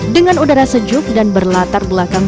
dengan udara sejuk dan berlatar belakang